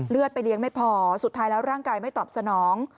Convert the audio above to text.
ไปเลี้ยงไม่พอสุดท้ายแล้วร่างกายไม่ตอบสนอง